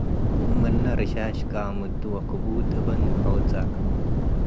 ምንለ ርሻሽ ቃምዱ - ወክቡድ እበን ወሖጻ